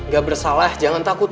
gak bersalah jangan takut